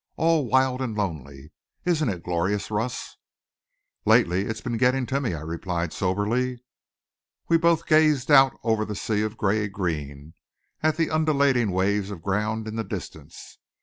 All wild and lonely. Isn't it glorious, Russ?" "Lately it's been getting to me," I replied soberly. We both gazed out over the sea of gray green, at the undulating waves of ground in the distance.